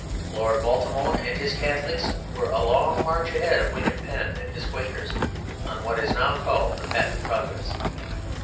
Lord Baltimore and his Catholics were a long march ahead of William Penn and his Quakers on what is now called the path of progress.